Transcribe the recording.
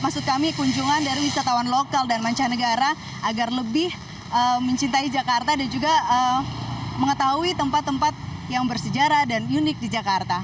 maksud kami kunjungan dari wisatawan lokal dan mancanegara agar lebih mencintai jakarta dan juga mengetahui tempat tempat yang bersejarah dan unik di jakarta